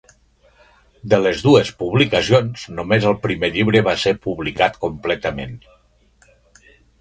De les dues publicacions, només el primer llibre va ser publicat completament.